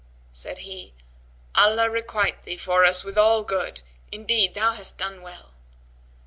Said he, "Allah requite thee for us with all good! Indeed thou hast done well."